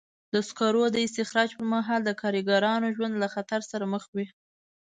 د سکرو د استخراج پر مهال د کارګرانو ژوند له خطر سره مخ وي.